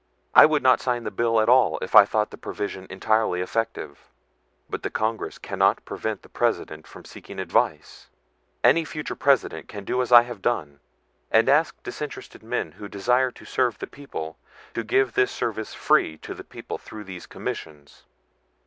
I would not sign the bill at all if I thought the provision entirely effective. But the Congress cannot prevent the President from seeking advice. Any future President can do as I have done, and ask disinterested men who desire to serve the people to give this service free to the people through these commissions.